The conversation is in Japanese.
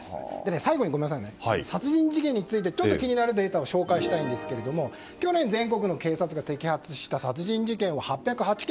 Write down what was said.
最後に、殺人事件についてちょっと気になるデータを紹介したいんですけども去年、全国の警察が摘発した殺人事件は８０８件。